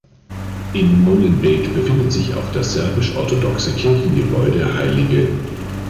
In Molenbeek befindet sich auch das serbisch-orthodoxe Kirchengebäude Hl.